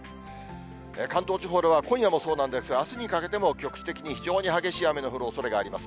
関東地方では今夜もそうなんですが、あすにかけても局地的に非常に激しい雨の降るおそれがあります。